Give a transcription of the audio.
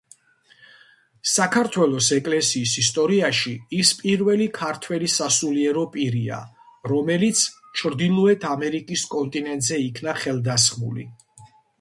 საქართველოს ეკლესიის ისტორიაში ის პირველი ქართველი სასულიერო პირია, რომელიც ჩრდილოეთ ამერიკის კონტინენტზე იქნა ხელდასხმული.